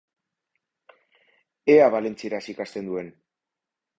Ea valentzieraz ikasten duen!